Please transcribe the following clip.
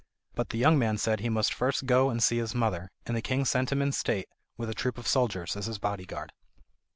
But the young man said he must first go and see his mother, and the king sent him in state, with a troop of soldiers as his bodyguard.